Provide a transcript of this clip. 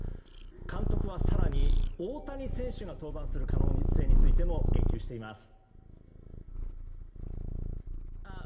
監督は更に、大谷選手が登板する可能性についても言及しています。